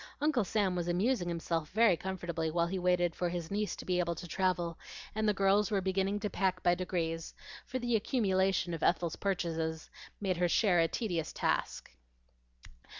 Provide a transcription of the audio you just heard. Uncle Sam was amusing himself very comfortably while he waited for his niece to be able to travel, and the girls were beginning to pack by degrees, for the accumulation of Ethel's purchases made her share a serious task.